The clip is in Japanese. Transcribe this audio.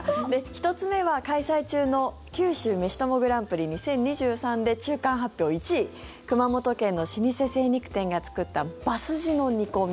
１つ目は開催中の九州めし友グランプリ２０２３で中間発表１位熊本県の老舗精肉店が作った馬スジの煮込み。